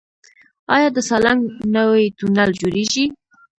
آیا د سالنګ نوی تونل جوړیږي؟